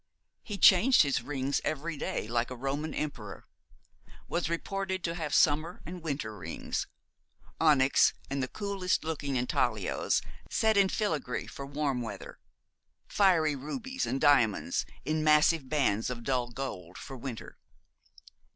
He changed his rings every day, like a Roman Emperor; was reported to have summer and winter rings onyx and the coolest looking intaglios set in filagree for warm weather fiery rubies and diamonds in massive bands of dull gold for winter.